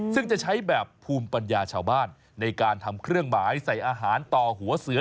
ซึ่งจะใช้แบบภูมิปัญญาชาวบ้านในการทำเครื่องหมายใส่อาหารต่อหัวเสือ